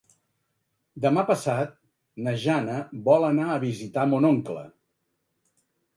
Demà passat na Jana vol anar a visitar mon oncle.